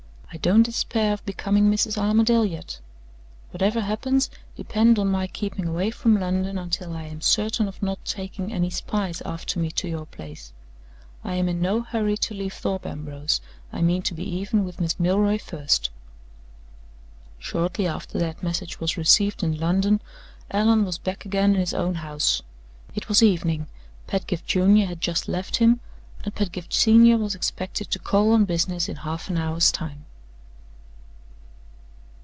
I don't despair of becoming Mrs. Armadale yet. Whatever happens, depend on my keeping away from London until I am certain of not taking any spies after me to your place. I am in no hurry to leave Thorpe Ambrose. I mean to be even with Miss Milroy first." Shortly after that message was received in London, Allan was back again in his own house. It was evening Pedgift Junior had just left him and Pedgift Senior was expected to call on business in half an hour's time.